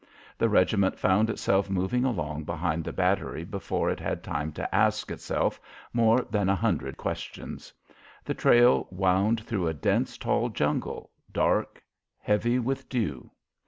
The regiment found itself moving along behind the battery before it had time to ask itself more than a hundred questions. The trail wound through a dense tall jungle, dark, heavy with dew.